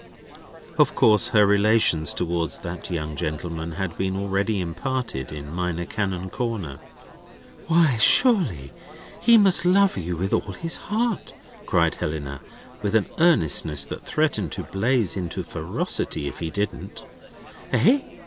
Of course her relations towards that young gentleman had been already imparted in Minor Canon Corner. "Why, surely he must love you with all his heart!" cried Helena, with an earnestness that threatened to blaze into ferocity if he didn't. "Eh?